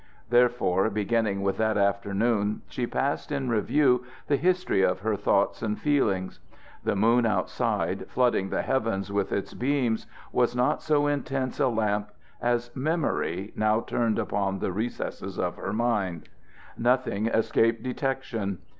Therefore, beginning with that afternoon, she passed in review the history of her thoughts and feelings. The moon outside, flooding the heavens with its beams, was not so intense a lamp as memory, now turned upon the recesses of her mind. Nothing escaped detection.